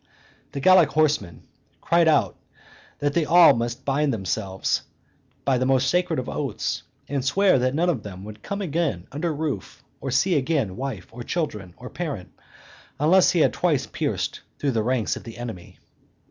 The Gallic horsemen cried out that they must all bind themselves by the most sacred of oaths, and swear that none of them would come again under roof, or see again wife, or children, or parent, unless he had twice pierced through the ranks of the enemy.